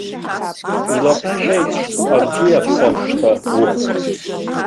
Илаҟәцәеит, акгьы иаԥсам шьҭа ухә.